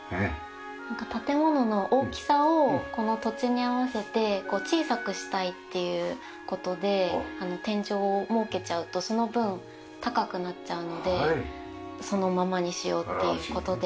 建物の大きさをこの土地に合わせて小さくしたいっていう事で天井を設けちゃうとその分高くなっちゃうのでそのままにしようっていう事で。